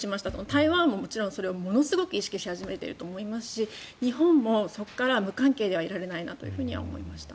台湾もものすごく意識し始めていると思いますし日本もそこから無関係ではいられないなと思いました。